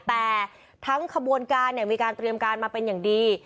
แต่ทั้งขบวนการมีการเตรียมการมาเป็นอย่างดี